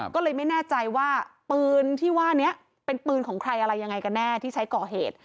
ก็เลยไม่แน่ใจว่าปืนที่ว่านี้เป็นปืนของใครอะไรยังไงกันแน่ที่ใช้ก่อเหตุ